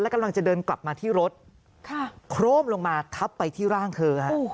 กำลังจะเดินกลับมาที่รถโครมลงมาทับไปที่ร่างเธอฮะ